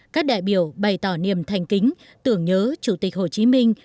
các đại biểu bày tỏ niềm thành kính tưởng nhớ chủ tịch hồ chí minh